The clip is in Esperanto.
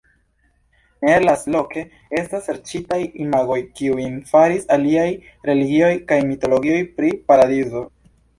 Ne lastloke estas serĉitaj imagoj, kiujn faris aliaj religioj kaj mitologioj pri la paradizo.